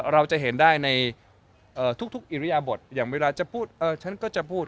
เราจะเห็นได้ในทุกอิริยบทอย่างเวลาจะพูดฉันก็จะพูด